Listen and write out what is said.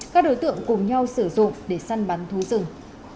các đối tượng cùng nhau sử dụng để săn bắn thú rừng